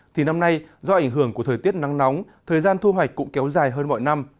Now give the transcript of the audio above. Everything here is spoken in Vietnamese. thì năm nay do ảnh hưởng của thời tiết nắng nóng thời gian thu hoạch cũng kéo dài hơn mọi năm